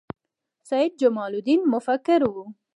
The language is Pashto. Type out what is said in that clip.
سید جمال الدین مفکر و